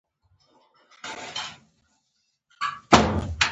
د زمانشاه په کمپ کې اختلافاتو خبر شو.